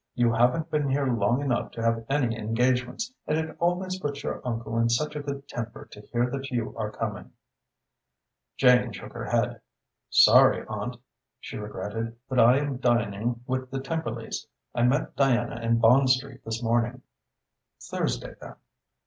You haven't been here long enough to have any engagements, and it always puts your uncle in such a good temper to hear that you are coming." Jane shook her head. "Sorry, aunt," she regretted, "but I am dining with the Temperleys. I met Diana in Bond Street this morning." "Thursday, then."